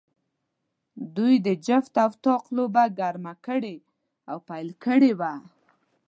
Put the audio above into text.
دوی د جفت او طاق لوبه ګرمه کړې او پیل کړې وه.